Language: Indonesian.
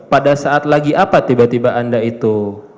pada saat lagi apa tiba tiba anda itu